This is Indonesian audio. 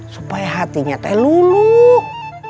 supaya hatinya teh luluh